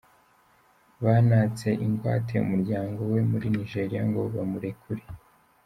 Banatse ingwate umuryango we muri Nigeria ngo bamurekure.